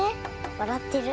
わらってる。